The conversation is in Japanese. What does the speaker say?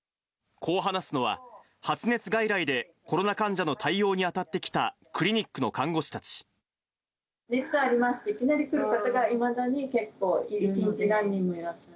こう話すのは、発熱外来でコロナ患者の対応に当たってきたクリニックの看護師た熱ありますって、いきなり来る方が、いまだに結構、１日何人もいらっしゃる。